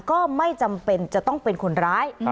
ก็ไม่จำเป็นจะต้องเป็นคนร้าย